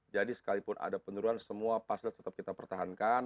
jadi sekalipun ada penurunan semua pasir tetap kita pertahankan